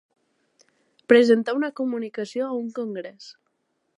Presentar una comunicació a un congrés.